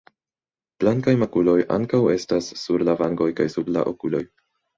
Blankaj makuloj ankaŭ estas sur la vangoj kaj sub la okuloj.